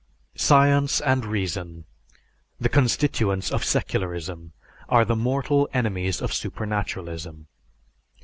Science and reason, the constituents of secularism, are the mortal enemies of supernaturalism.